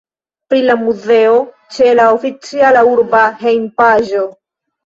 Pri la muzeo ĉe la oficiala urba hejmpaĝo.